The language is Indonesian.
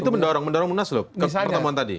itu mendorong mendorong munasudu ke pertemuan tadi